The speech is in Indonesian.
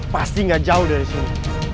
pasti gak jauh dari sini